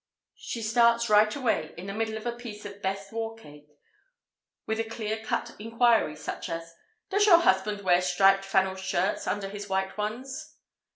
She starts right away, in the middle of a piece of best war cake, with a clear cut inquiry such as: "Does your husband wear striped flannel shirts under his white ones?"